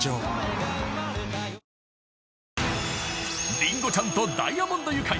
［りんごちゃんとダイアモンドユカイ］